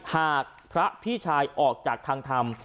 หากพระพี่ชายออกจากทางธรรม